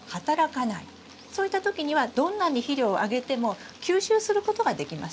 そういった時にはどんなに肥料をあげても吸収することができません。